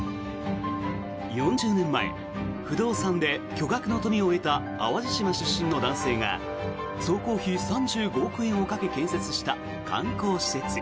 ４０年前不動産で巨額の富を得た淡路島出身の男性が総工費３５億円をかけ建設した観光施設。